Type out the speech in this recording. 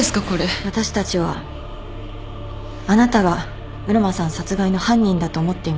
私たちはあなたが浦真さん殺害の犯人だと思っています。